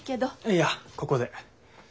いやここで。